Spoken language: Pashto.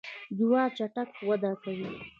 جوار چټک وده کوي.